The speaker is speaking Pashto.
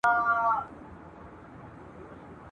چي د عقل په میدان کي پهلوان وو !.